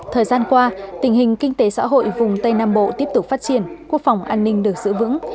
thời gian qua tình hình kinh tế xã hội vùng tây nam bộ tiếp tục phát triển quốc phòng an ninh được giữ vững